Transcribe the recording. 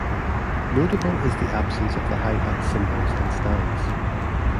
Notable is the absence of the hi-hat cymbals and stands.